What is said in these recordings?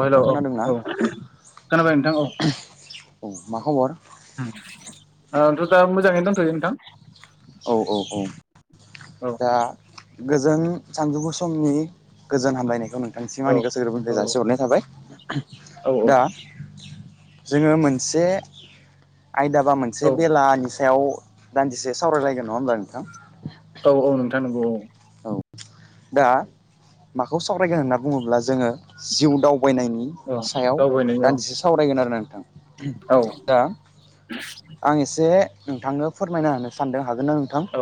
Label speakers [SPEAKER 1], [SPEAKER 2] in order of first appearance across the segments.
[SPEAKER 1] औ हेल' औ
[SPEAKER 2] नोंथाङा
[SPEAKER 1] औ
[SPEAKER 2] खोनादोंना
[SPEAKER 1] खोनाबाय नोंथां औ
[SPEAKER 2] औ मा खबर
[SPEAKER 1] ओम ओ आंथ' दा मोजांङै दनथयो नोंथां
[SPEAKER 2] औ औ औ
[SPEAKER 1] औ
[SPEAKER 2] दा गोजोन सानजौफु समनि गोजोन हामलायनायखौ नों थांसिम
[SPEAKER 1] औ
[SPEAKER 2] आंनि गोसो गोरबोनिफ्राय
[SPEAKER 1] औ
[SPEAKER 2] जासिहरनाय थाबाय दा
[SPEAKER 1] औ
[SPEAKER 2] जोंङो मोनसे आयदाबा
[SPEAKER 1] औ
[SPEAKER 2] मोनसे बेलानि सायाव दान्दिसे सावरायलायगोन नङा होनब्ला नोंथां
[SPEAKER 1] औ औ नोंथां नोंगौ औ
[SPEAKER 2] औ दा माखौ सावरायगोन होनना बुङोब्ला जोङो जिउ दावबायनायनि
[SPEAKER 1] औ
[SPEAKER 2] सायाव
[SPEAKER 1] दावबायनायनि औ
[SPEAKER 2] दान्दिसे सावरायगोन आरो नोंथां
[SPEAKER 1] औ
[SPEAKER 2] दा आं एसे नोंथांनो फोरमायना होनो सानदों। हागोन ना नोंथां
[SPEAKER 1] औ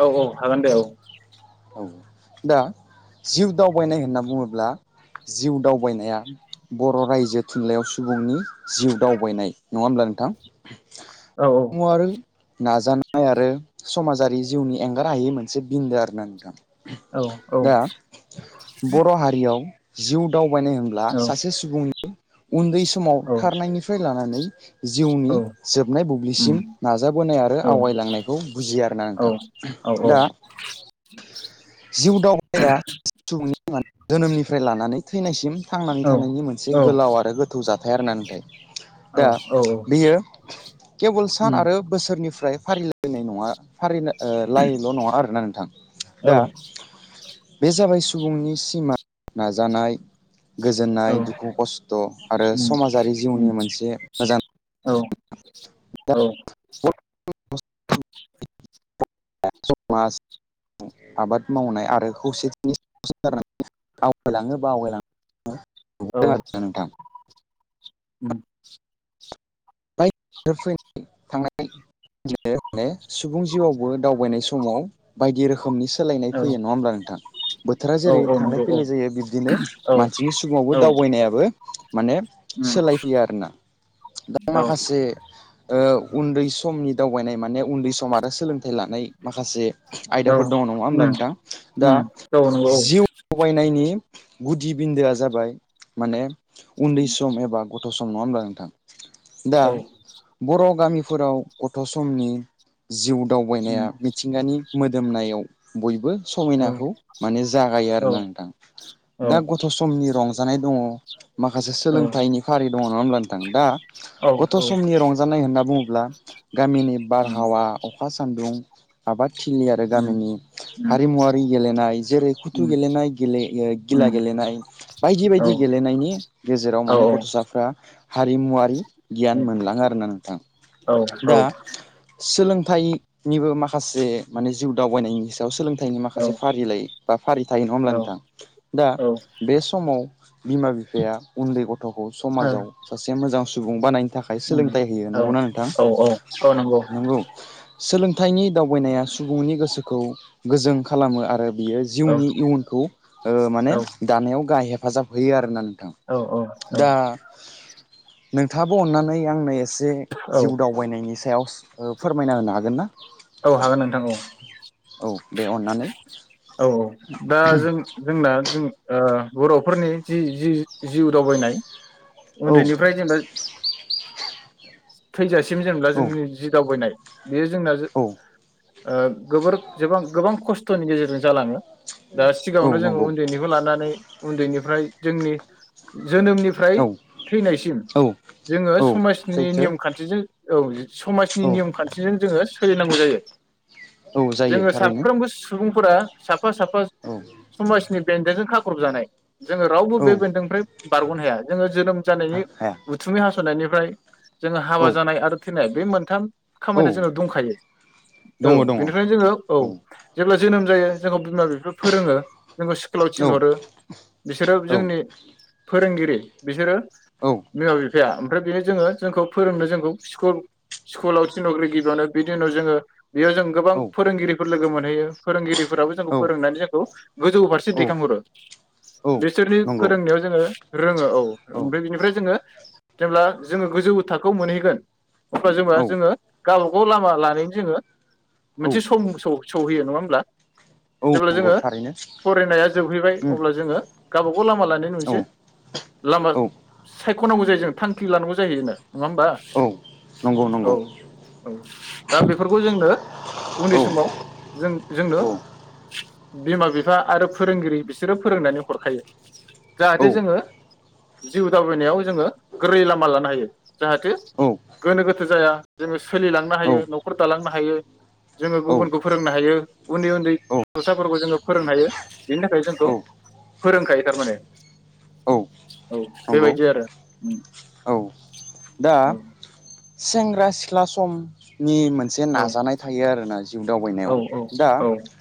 [SPEAKER 1] औ औ हागोन‌ दे औ
[SPEAKER 2] औ दा जिउ दावबायनाय होनना बुङोब्ला जिउ दावबायनाया बर' रायजो थुनलाइयाव सुबुंनि जिउ दावबायनाय नङा होनब्ला नों थां
[SPEAKER 1] औ औ
[SPEAKER 2] नाजानाय आरो समाजारि जिउनि एंगार हायि मोनसे बिन्दो आरो ना थां
[SPEAKER 1] औ
[SPEAKER 2] दा बर' हारियाव जिउ दावउ बानाय होनब्ला सासे सुबुंनि उन्दै समाव
[SPEAKER 1] औ औ
[SPEAKER 2] खारनाय निफ्राय लानानै लांदां जिउनि
[SPEAKER 1] औ
[SPEAKER 2] जोबनाय
[SPEAKER 1] उम
[SPEAKER 2] बुब्लिसिम नाजाबोनाय आरो
[SPEAKER 1] औ
[SPEAKER 2] आवगायलांनायखौ बुजियो आरोना
[SPEAKER 1] औ
[SPEAKER 2] नोंथां।
[SPEAKER 1] औ औ
[SPEAKER 2] दा जिउ दावबायनाया सुबुंनि जोनोमनिफ्राय लानानै थैनाय सिम थांनानै
[SPEAKER 1] औ उम
[SPEAKER 2] थानायनि मोनसे
[SPEAKER 1] औ
[SPEAKER 2] गोलाव आरो गोथौ जाथाय आरो ना नाथाय दा
[SPEAKER 1] औ
[SPEAKER 2] बेयो केबोल सान आरो बोसोरनिफ्राय फारिलायनाय नङा फारिनो ओ लाइल' नङा आरो ना था
[SPEAKER 1] औ
[SPEAKER 2] बे जाबाय सुबुंनि सिमा नाजानाय गोजोननाय दुखु खस्थ' आरो
[SPEAKER 1] उम
[SPEAKER 2] समाजारि
[SPEAKER 1] उम
[SPEAKER 2] जिउनि मोनसे मोजां
[SPEAKER 1] औ [inaudible]
[SPEAKER 2] [unintelligible] समाज आबाद मावनाय आरो खौसेथिनि [unintelligible] आवगायलाङो बा आवगायलां
[SPEAKER 1] औ। [inaudible]
[SPEAKER 2] [unintelligible] सुबुं जिउआवबो दावबायनाय समाव बायदि रोखोमनि सोलायनाय
[SPEAKER 1] औ
[SPEAKER 2] फैयो नङा होमब्ला नोंथां। बोथोरा जेरै
[SPEAKER 1] औ
[SPEAKER 2] थांलाय
[SPEAKER 1] नंगौ
[SPEAKER 2] फैलाय जायो बिब्दिनो
[SPEAKER 1] औ
[SPEAKER 2] मानसिनि सुबावबो
[SPEAKER 1] औ
[SPEAKER 2] दावबायनायाबो माने
[SPEAKER 1] उम
[SPEAKER 2] सोलाय फैयो आरोना
[SPEAKER 1] औ
[SPEAKER 2] माखासे ओ उन्दै समनि दावबायनाय माने उन्दै सम आरो सोलोंथाइ लानाय माखासे आयदाफोर
[SPEAKER 1] उम
[SPEAKER 2] दंङ नङा होनब्ला
[SPEAKER 1] उम औ
[SPEAKER 2] नोंथां दा
[SPEAKER 1] नंगौ औ
[SPEAKER 2] जिउ दावबायनायनि गुदि बिन्दोआ जाबाय माने
[SPEAKER 1] औ
[SPEAKER 2] उन्दै सम एबा ग गथ' सम नङा होनब्ला नोंथां। दा बर' गामि फोराव गथ' समनि जिउ दावबायनाया मिथिंगानि मोदोमनायाव बयबो समिनाखौ माने जागायो आरोना नोंथां दा गथ' समनि रं जानाय दङ। माखासे सोलोंथाइनि फारि दंङ नङा होनब्ला नोंथां दा गथ' समनि रंजानाय होनना बुङोब्ला गामिनि बारहावा अखा सान्दुं आबाद थिलि आरो गामिनि हारिमुवारि गेलेनाय जेरै खुथु गेलेनाय गे गिला गेलेनाय बायदि बायदि गेलेनायनि गेजेराव माने गथ'साफ्रा हारिमुवारि गियान मोनलाङो आरोना नोंथां दा सोलोंथाइनिबो माखासे माने जिउ दावबायनायनि सायाव सोलोंथाइ थाइनि माखासे फारिलाइ बा फारि थायो नङा होमब्ला नोंथां दा बे समाव बिमा बिफाया उन्दै ग थ'खौ समाजाव सासे मोजां सु सुबुं बानायनो थाखाय सोलोंथाइ होयो
[SPEAKER 1] औ
[SPEAKER 2] नंगौना नोंथां
[SPEAKER 1] औ
[SPEAKER 2] नंगौ सोलों थाइनि दावबायनाया सुबुंनि गोसोखौ गोजों खालामो आरो बियो
[SPEAKER 1] औ
[SPEAKER 2] जिउनि इयुनखौ ओ माने
[SPEAKER 1] औ
[SPEAKER 2] दानायाव गाहाय हे फाजाब होयो आरो ना नों थां
[SPEAKER 1] औ
[SPEAKER 2] दा नोंथाङाबो अननानै आंनो ए से
[SPEAKER 1] औ
[SPEAKER 2] जिउ दावबायनायनि सायाव ओ फोरमायना होनो हागोनना?
[SPEAKER 1] औ हागोन नोंथां औ
[SPEAKER 2] औ दे अन्नानै ।
[SPEAKER 1] औ दा जों जोंना जों ओ बर'फोरनि जि-जि-जिउ दावबायनाय
[SPEAKER 2] औ
[SPEAKER 1] उन्दैनिफ्राय जेनेबा थैजा सिम जेनेब्ला
[SPEAKER 2] औ
[SPEAKER 1] जोंनि जि दावबायनाय बेयो जोंना जो
[SPEAKER 2] औ
[SPEAKER 1] ओ जोबोर जोबां-गोबां खस्थ'नि गेजेरजों जालाङो दा सिगाङावनो
[SPEAKER 2] औ
[SPEAKER 1] जोङो
[SPEAKER 2] नंगौ
[SPEAKER 1] उन्दैनिखौ लानानै उन्दैनि फ्राय जोंनि जोनोमनिफ्राय
[SPEAKER 2] औ
[SPEAKER 1] थैनायसिम
[SPEAKER 2] औ
[SPEAKER 1] जोङो
[SPEAKER 2] औ
[SPEAKER 1] समाजनि
[SPEAKER 2] सैथो
[SPEAKER 1] नियम खान्थिजों औ समाजनि
[SPEAKER 2] औ
[SPEAKER 1] नियमखान्थिजों जोङो सोलिनांगौ जायो ।
[SPEAKER 2] औ जायो
[SPEAKER 1] जोङो
[SPEAKER 2] थारैनो
[SPEAKER 1] साफ्रोमबो सुबुं फोरा सा फा साफा
[SPEAKER 2] औ
[SPEAKER 1] समाजनि बेन्दोंजों खाख्रबजानाय । जोङो रावबो
[SPEAKER 2] औ
[SPEAKER 1] बे बेन्दोंनिफ्राय बारग'नो हाया जोङो जोनोम जानायनि
[SPEAKER 2] हाया
[SPEAKER 1] उथुमि हास'नायनि फ्राय जोङो हाबा
[SPEAKER 2] औ
[SPEAKER 1] जानाय आरो थैनाय बे मोनथाम
[SPEAKER 2] औ
[SPEAKER 1] खामानिया जोङो दंखायो औ
[SPEAKER 2] दङ दङ
[SPEAKER 1] बेनिखानो जोङो औ जेब्ला जोनोम जायो जों बिमा बिफा फोरोङो जोंखौ स्कुलाव
[SPEAKER 2] औ
[SPEAKER 1] थिनहरो बिसोरो
[SPEAKER 2] औ
[SPEAKER 1] जोंनि फोरोंगिरि बिसोरो
[SPEAKER 2] औ
[SPEAKER 1] बिमा बिफाया ओमफ्राय बेयो जोङो जोंखौ फोरोंनो जोंखौ स्कुल स्कुलाव थिनहग्रोयो गिबियावनो बिनि उनाव जोङो बेयाव जों गोबां फोरोंगिरिफोर लोगो मोन [inaudible] फोरोंगिरिफोराबो जोंखौ
[SPEAKER 2] औ
[SPEAKER 1] फोरोंनानै जोंखौ गोजौ फारसे
[SPEAKER 2] औ
[SPEAKER 1] दैखांहरो।
[SPEAKER 2] औ
[SPEAKER 1] बिसोरनि
[SPEAKER 2] नंगौ
[SPEAKER 1] फोरोंनायाव जोङो रोङो औ ओमफ्राय बिनिफ्राय जोङो जेब्ला जोङो गोजौ थाखोआव मोनहैगोन अब्ला जोंहा
[SPEAKER 2] औ
[SPEAKER 1] जोङो गावबा गाव लामा लानायनि जोङो
[SPEAKER 2] औ
[SPEAKER 1] मोनसे सम स-सौहैयो नङा होमब्ला
[SPEAKER 2] औ
[SPEAKER 1] जेब्ला
[SPEAKER 2] नंगौ
[SPEAKER 1] जोङो
[SPEAKER 2] थारैनो
[SPEAKER 1] फरायनाया जोबहैबाय
[SPEAKER 2] उम
[SPEAKER 1] अब्ला जोङो गावबागाव लामा लानाय
[SPEAKER 2] औ
[SPEAKER 1] नुनोसै। लामा
[SPEAKER 2] औ
[SPEAKER 1] सायख'नांगौ जायो जों थांखि लानांगौ जायो जोंनो। नङा होमबा?
[SPEAKER 2] औ नंगौ नंगौ।
[SPEAKER 1] औ दा बेफोरखौ जोंनो उन्दै
[SPEAKER 2] औ
[SPEAKER 1] समाव जों जोंनो
[SPEAKER 2] औ
[SPEAKER 1] बिमा बिफा आरो फोरोंगिरि बिसोरो फोरोंनानै हरखायो जाहाथे जोङो जिउ दावबायनायाव जोङो गोरै लामा लानो हायो। जाहाथे
[SPEAKER 2] औ
[SPEAKER 1] गोनो गोथो जाया जोङो सोलिलांनो हायो न'खर दालांनो हायो जोङो
[SPEAKER 2] औ
[SPEAKER 1] गुबुनखौ फोरोंनो हायो उन्दै उन्दै गथ'साफोरखौ जोङो फोरोंनो हायो बेनि थाखाय जोंखौ फोरोंखायो थारमाने।
[SPEAKER 2] औ
[SPEAKER 1] औ
[SPEAKER 2] नंगौ
[SPEAKER 1] बेबायदि आरो।
[SPEAKER 2] औ दा
[SPEAKER 1] औ
[SPEAKER 2] सेंग्रा सिख्ला सम नि मोनसे
[SPEAKER 1] औ
[SPEAKER 2] नाजानाय थायो आरोना जिउ दावबायनायाव।
[SPEAKER 1] औ
[SPEAKER 2] दा
[SPEAKER 1] औ औ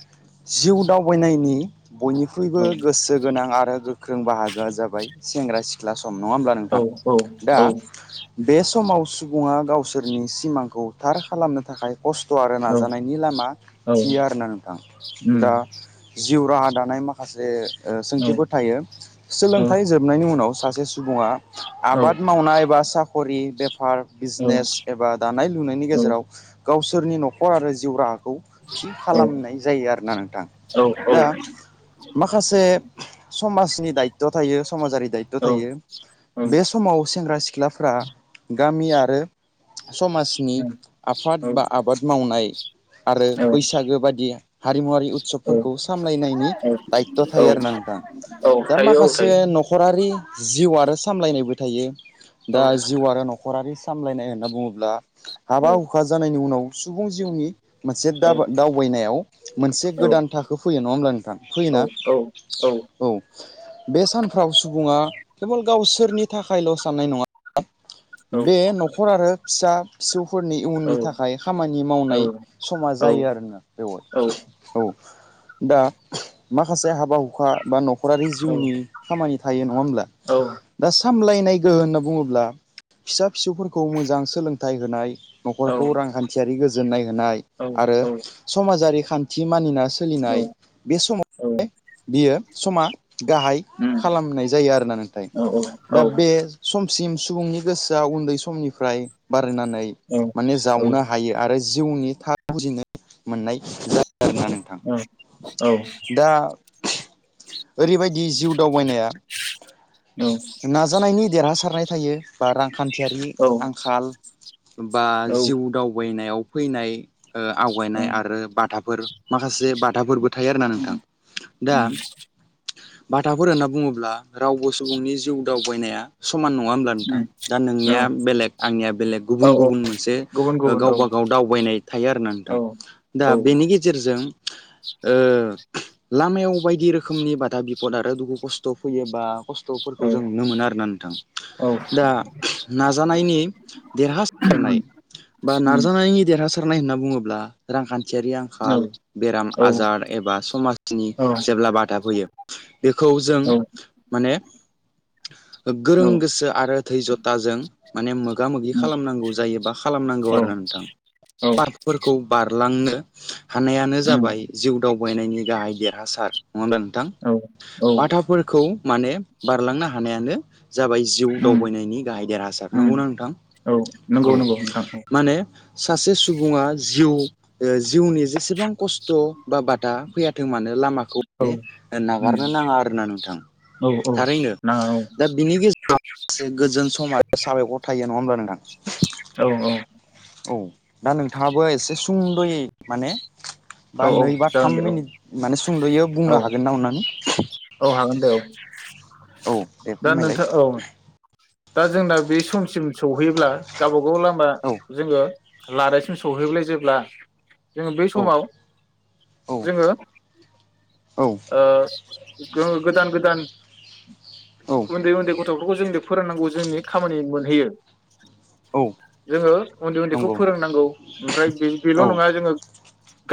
[SPEAKER 2] जिउ दावबायनायनि बयनिख्रुइबो
[SPEAKER 1] औ
[SPEAKER 2] गोसो गोनां आरो गो ख्रों बाहा गोआ जाबाय सेंग्रा सि ख्ला सम नङा होमब्ला
[SPEAKER 1] औ
[SPEAKER 2] नोंथां। दा
[SPEAKER 1] औ
[SPEAKER 2] बे समाव सुबुङा गावसोरनि सिमांखौ थार खालामनो थाखाय खस्थ' आरो
[SPEAKER 1] औ
[SPEAKER 2] नाजानायनि लामा
[SPEAKER 1] औ
[SPEAKER 2] थियो आरो ना नोंथां
[SPEAKER 1] उम
[SPEAKER 2] दा जिउ राहा दानाय मा खासे ओ
[SPEAKER 1] औ
[SPEAKER 2] सोंथिफोर थायो।
[SPEAKER 1] औ
[SPEAKER 2] सोलोंथाइ जोबनायनि उनाव सासे सुबुङा
[SPEAKER 1] औ
[SPEAKER 2] आबाद मावनाय बा सा खरि, बेफार,
[SPEAKER 1] औ
[SPEAKER 2] बिजनेस एबा दानाय लुनायनि गेजेराव गावसोरनि न'खर आरो जिउ राहा खौ थि
[SPEAKER 1] औ
[SPEAKER 2] खालामनाय जायो आरोना नोंथां। दा माखासे समाजनि दायथ' थायो समाजारि दायथ' थायो बे समाव सेंग्रा सि [unintelligible] फ्रा गामि आरो समाजनि आफाद बा आबाद मावनाय आरो बैसागो बादि हारिमुवरारि
[SPEAKER 1] औ
[SPEAKER 2] उत्सबफोरखौ सामलायनायनि दायथ' थायो
[SPEAKER 1] औ
[SPEAKER 2] आरो ना नोंथां दा
[SPEAKER 1] थायो औ
[SPEAKER 2] माखासे
[SPEAKER 1] थायो
[SPEAKER 2] न'खरारि जिउ आरो सामलायनायबो थायो
[SPEAKER 1] औ
[SPEAKER 2] दा जिउ आरो न'खरारि सामलायनाय होनना बुङोब्ला हाबा हुखा जानायनि उनाव सुबुं जिउनि मोनसे द दावबायनायाव मोनसे
[SPEAKER 1] औ
[SPEAKER 2] गोदान थाखो फैयो नङा होमब्ला नोंथां फैयोना औ बे सानफ्राव सुबुङा केबोल गावसोरनि थाखायल' साननाय नङा
[SPEAKER 1] औ
[SPEAKER 2] बे न'खर आरो फिसा फिसौफोरनि इयुननि
[SPEAKER 1] औ
[SPEAKER 2] थाखाय खामानि
[SPEAKER 1] उम औ
[SPEAKER 2] मावनाय समा जायो आरोना बेवहाय औ दा माखासे हा बा हुखा बा न'खरारि जिउनि खामानि थायो नङा होमब्ला दा सामलायनाय गोहो होनना बुङोब्ला फिसा फिसौफोरखौ मोजां सोलोंथाइ होनाय
[SPEAKER 1] औ
[SPEAKER 2] न'खरखौ रांखान्थियारि गोजोननाय होनाय आरो समाजारि खान्थि मानिना
[SPEAKER 1] औ
[SPEAKER 2] सोलिनाय बे समाव
[SPEAKER 1] उम
[SPEAKER 2] बियो समा गाहाय
[SPEAKER 1] उम
[SPEAKER 2] खालामनाय जायो आरोना नोंथाय दा बे सिम सुबुंनि गोसोआ उन्दै समनिफ्राय बा [unintelligible] माने जावनो हायो आरो जिउनि था [unintelligible] मोननाय जा [unintelligible] नोंथां दा ओरैबायदि जिउ दावबायनाया नाजानायनि देरहासारनाय थायो बा रांखान्थियारि आंखाल बा जिउ दावबायनायाव फैनाय ओ आवगायनाय आरो बाथाफोर माखासे बाथाफोरबो थायो आरोना नोंथां दा बाथाफोर होनना बुङोब्ला रावबो सुबुंनि जि व दावबायनाया समान नङा होमब्ला नोंथां
[SPEAKER 1] उम
[SPEAKER 2] दा नोंनिया बेलेग आंनिया बेलेग
[SPEAKER 1] औ
[SPEAKER 2] गुबुन
[SPEAKER 1] औ
[SPEAKER 2] गुबुन मोनसे
[SPEAKER 1] गुबुन गुबुन औ
[SPEAKER 2] गावबा गाव दावबायनाय थायो आरोना
[SPEAKER 1] औ
[SPEAKER 2] नोंथां दा
[SPEAKER 1] औ
[SPEAKER 2] बेनि गेजेरजों ओ लामायाव बायदि रोखोमनि बादा बिफद आरो दुखु खस्थ' फैयोबा खस्थ' फोरखौ जों नुनो मोनो आरोना नोंथां
[SPEAKER 1] औ
[SPEAKER 2] दा नाजानायनि देरहासारनाय बा नाजानायनि देरहा फोरनाय होनना बुङोब्ला रांखान्थि थियारि आंखाल बेराम आजार एबा समाजनि जेब्ला बादा फैयो बेखौ जों माने गो गोरों गोसो आरो थै जटाजों माने मो गा मोगि खालामनांगौ जायोबा खालामनांगौ आरो ना नोंथां पारफोरखौ बारलांनो [inaudible] हानायानो
[SPEAKER 1] उम
[SPEAKER 2] जाबाय जिउ दावबायनायनि गाहाय देरहासार नङा होमबा नोंथां
[SPEAKER 1] औ औ
[SPEAKER 2] बाथाफोरखौ माने बारलांनो हानायानो जाबाय जिउ
[SPEAKER 1] उम
[SPEAKER 2] दावबायनायनि गाहाय देरहासार
[SPEAKER 1] उम
[SPEAKER 2] नंगौना नोंथां
[SPEAKER 1] औ नंगौ
[SPEAKER 2] औ
[SPEAKER 1] नंगौ नोंथां
[SPEAKER 2] माने सासे सुबुङा जिउ ओ जिउनि जेसेबां खस्थ बा बादा फैयाथों मानो लामाखौ
[SPEAKER 1] औ
[SPEAKER 2] बे
[SPEAKER 1] उम
[SPEAKER 2] नागारनो नाङा आरोना नोंथां
[SPEAKER 1] औ औ
[SPEAKER 2] थारैनो
[SPEAKER 1] नाङा औ
[SPEAKER 2] दा बिनि गेजेराव से गोजोन समाज साबायखर था यो नङा होमबा नोंथां
[SPEAKER 1] औ औ
[SPEAKER 2] औ दा नोंथाङाबो एसे सुंदयै माने बा
[SPEAKER 1] औ औ
[SPEAKER 2] नै बा
[SPEAKER 1] जागोन
[SPEAKER 2] थाम
[SPEAKER 1] दे औ
[SPEAKER 2] मिनि माने स सुंदयो
[SPEAKER 1] औ
[SPEAKER 2] बुंनो हागोन ना अनानै [inaudible]
[SPEAKER 1] औ हागोन दे औ
[SPEAKER 2] औ दे
[SPEAKER 1] दा
[SPEAKER 2] फोरमायलाय
[SPEAKER 1] नोंथां औ दा जोंना बे समसिम सौहैयोब्ला गाबा गाव लामा
[SPEAKER 2] औ
[SPEAKER 1] जोङो लादायसिम सौहैबालाय जेब्ला जोङो बै
[SPEAKER 2] औ
[SPEAKER 1] समाव
[SPEAKER 2] औ
[SPEAKER 1] जोङो
[SPEAKER 2] औ
[SPEAKER 1] ओ गो गोदान गोदान
[SPEAKER 2] औ
[SPEAKER 1] उन्दै उन्दै गथ खौ जोंनो फोरोंनांगौ जोंनि खामानि मोनहैयो
[SPEAKER 2] औ
[SPEAKER 1] जोङो उन्दै उन्दैखौ
[SPEAKER 2] नंगौ
[SPEAKER 1] फोरोंनांगौ ओमफ्राय बे बेल
[SPEAKER 2] औ
[SPEAKER 1] नङा जोङो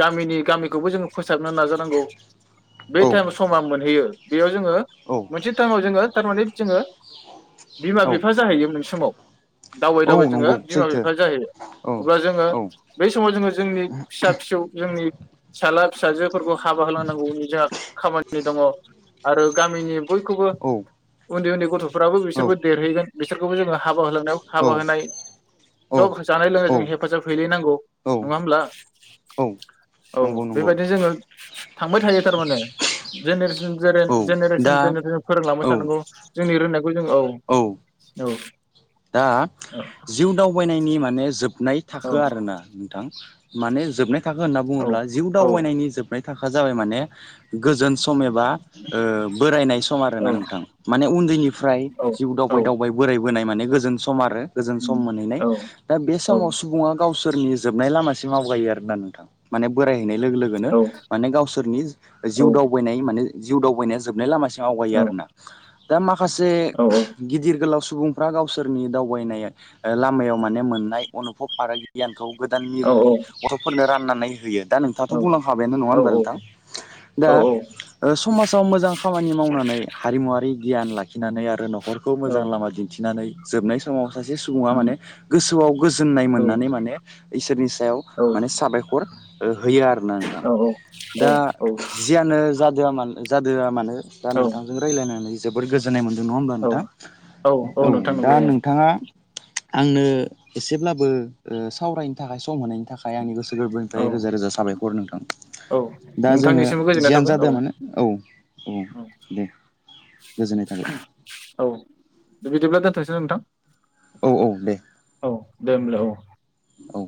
[SPEAKER 1] गामिनि गामिखौबो जोङो फोसाबनो नाजानांगौ बे
[SPEAKER 2] औ
[SPEAKER 1] टाइम समा मोनहैयो बेयो जोङो
[SPEAKER 2] औ
[SPEAKER 1] मोनसे टाइमाव जोङो थारमाने जोङो बिमा
[SPEAKER 2] औ
[SPEAKER 1] बिफा जाहैयो मोनसे समाव दावै
[SPEAKER 2] औ
[SPEAKER 1] दावै जोङो
[SPEAKER 2] नंगौ
[SPEAKER 1] बिमा
[SPEAKER 2] सैथो
[SPEAKER 1] बिफा जाहैयो
[SPEAKER 2] औ
[SPEAKER 1] अब्ला जोङो
[SPEAKER 2] औ
[SPEAKER 1] बै समाव जोङो जोंनि फिसा फिसौ जोंनि फिसाला फिसाजोफोरखौ हाबा होलांनांगौ जा आरो गामिनि बयखौबो
[SPEAKER 2] औ
[SPEAKER 1] उन्दै उन्दै फ्राबो
[SPEAKER 2] औ
[SPEAKER 1] बिसोरबो देरहैगोन बिसोरखौबो जोङो हाबा होलांनायाव हाबा होनाय
[SPEAKER 2] औ
[SPEAKER 1] सब जानाय लोंनाय
[SPEAKER 2] औ
[SPEAKER 1] जों हेफाजाब हैलायनांगौ नङा होमब्ला
[SPEAKER 2] औ
[SPEAKER 1] औ
[SPEAKER 2] नंगौ नंगौ
[SPEAKER 1] बेबायदिनो जोङो थांबाय थायो थारमाने जेनेरेसन जेने
[SPEAKER 2] औ
[SPEAKER 1] जेनेरेसन
[SPEAKER 2] दा
[SPEAKER 1] जेनेरेसन फोरोंलांबाय
[SPEAKER 2] औ
[SPEAKER 1] थानांगौ जोंनि रोंनाय फोरखौ जों औ औ
[SPEAKER 2] दा जिउ दावबायनायनि माने जोबनाय थाखो आरोना नोंथां माने जोबनाय थाखो होनना
[SPEAKER 1] औ
[SPEAKER 2] बुङोब्ला जिउ
[SPEAKER 1] औ
[SPEAKER 2] दावबायनायनि जोबनाय थाखो हखा जाबाय माने गोजोन सम एबा ओ बोरायनाय सम आरो ना नोंथां माने उन्दैनिफ्राय
[SPEAKER 1] औ
[SPEAKER 2] जिउ
[SPEAKER 1] औ
[SPEAKER 2] दावबाय दावबाय बोरायबोनाय माने गोजो जों सम आरो गोजोन सम मोनहैनाय
[SPEAKER 1] औ
[SPEAKER 2] दा बे
[SPEAKER 1] औ
[SPEAKER 2] समाव सुबुङा गावसोर सोरनि जोबनाय लामासे आवगायो आरो ना नोंथां माने बोराय हैनाय लोगो लोगोनो
[SPEAKER 1] औ
[SPEAKER 2] माने गावसोरनि जिउ दावबायनाय माने जिउ दावबायनाया जोबनाय लामासिम आवगायो आरोना दा मा माखासे
[SPEAKER 1] औ
[SPEAKER 2] गिदिर गोलाव सुब सुबुंफ्रा गाव सोरनि दावबायनाय लामायाव माने मोननाय अनुभब आरो गियान खौ गोदान मिरुनि गथ'फोरनो राननानै होयो दा नोंथाङाथ' बुंलांखाबायानो नङा होनबा
[SPEAKER 1] औ
[SPEAKER 2] नोंथां दा समाजाव मोजां खामानि मावनानै हारिमुवारि गियान लाख थिनानै आरो न' न'खरखौ मोजां लामा दिन्थिनानै जोबनाय समाव सासे सुबुङा माने गोसो [unintelligible] गोजोननाय मोननानै माने इसोरनि सायाव माने साबायखर होयो आरोना नोंथां दा जियानो जादोआ मानो जादोआ मानो । दा
[SPEAKER 1] औ
[SPEAKER 2] नोंथांजों रायज्लायनानै जोबोर गोजोननाय मोन नङा ओमबा
[SPEAKER 1] औ
[SPEAKER 2] नोंथां?
[SPEAKER 1] नोंथां
[SPEAKER 2] औ दा
[SPEAKER 1] नंगौ
[SPEAKER 2] नोंथाङा आंनो एसेब्लाबो ओ सावरायनो थाखाय सम होनायनि थाखाय आंनि गोसो
[SPEAKER 1] औ
[SPEAKER 2] गोरबोनिफ्राय रोजा रोजा साबायखर नोंथां
[SPEAKER 1] औ
[SPEAKER 2] दा जोङो
[SPEAKER 1] नोंथांनिसिमबो गोजोननाय
[SPEAKER 2] जियानो
[SPEAKER 1] थाबाय
[SPEAKER 2] जादोआ मानो औ औ दे गोजोननाय थाबाय ।
[SPEAKER 1] औ औ बिदिब्ला दोनथ'नोसै ना नोंथां?
[SPEAKER 2] औ औ दे ।
[SPEAKER 1] औ दे होमबालाय औ ।
[SPEAKER 2] औ